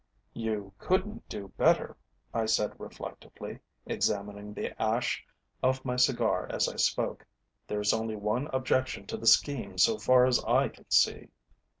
"You couldn't do better," I said reflectively, examining the ash of my cigar as I spoke. "There is only one objection to the scheme so far as I can see."